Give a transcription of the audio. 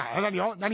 何？